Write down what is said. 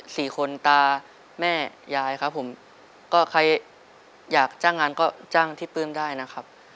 สี่คนตาแม่ยายครับผมก็ใครอยากจ้างงานก็จ้างที่ปลื้มได้นะครับ